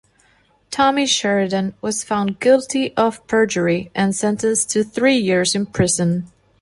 Tommy Sheridan was found guilty of perjury and sentenced to three years in prison.